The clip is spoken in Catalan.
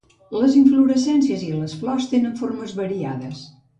Les inflorescències i les flors tenen formes variades.